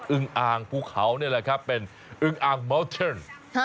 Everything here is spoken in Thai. ึงอ่างภูเขานี่แหละครับเป็นอึงอ่างเมาส์เทิร์น